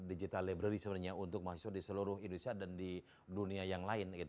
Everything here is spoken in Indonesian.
digital library sebenarnya untuk masuk di seluruh indonesia dan di dunia yang lain